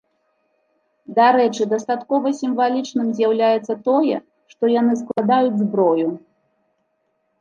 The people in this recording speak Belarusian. Дарэчы, дастаткова сімвалічным з'яўляецца тое, што яны складаюць зброю.